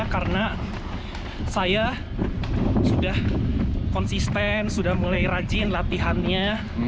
karena saya sudah konsisten sudah mulai rajin latihannya